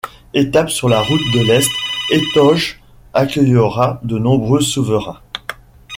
Étape sur la route de l’est, Étoges accueillera de nombreux souverains.